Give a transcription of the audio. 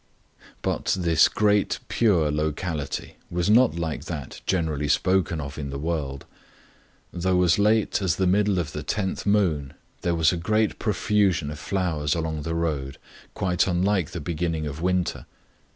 But this Great Pure locality was not like that generally spoken of in the world. Though as late as the middle of the tenth moon, there was a great profusion of flowers along the road, quite unlike the beginning of winter.